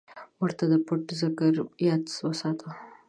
مړه ته د پټ ذکر یاد وساته